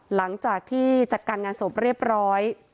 หลังจากที่จัดการงานศพเรียบร้อย